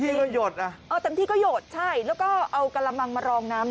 เต็มที่ก็หยดอ่ะอ๋อเต็มที่ก็หยดใช่แล้วก็เอากะละมังมารองน้ำน่ะ